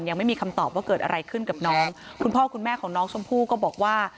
ยังไม่มีคำตอบว่าเกิดอะไรขึ้นกับน้องคุณพ่อคุณแม่ของน้องชมพู่ก็บอกว่า